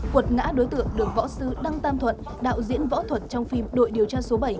quật ngã đối tượng được võ sư đăng tam thuận đạo diễn võ thuật trong phim đội điều tra số bảy